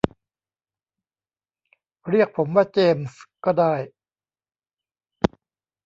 เรียกผมว่า เจมส์ ก็ได้